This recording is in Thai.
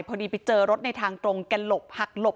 พอดีไปเจอรถในทางตรงแกหลบหักหลบ